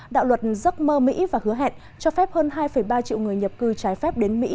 đạo luật giấc mơ mỹ và hứa hẹn cho phép hơn hai ba triệu người nhập cư trái phép đến mỹ